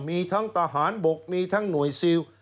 มีทั้งทหารบกมีทั้งหน่วยซิล